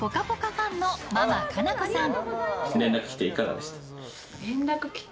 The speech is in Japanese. ファンのママかなこさん。